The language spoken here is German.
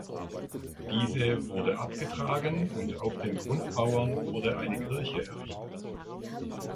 Diese wurde abgetragen und auf den Grundmauern wurde eine Kirche errichtet.